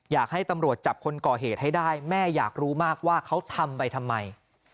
อยากให้ตำรวจจับคนก่อเหตุให้ได้แม่อยากรู้มากว่าเขาทำไปทำไม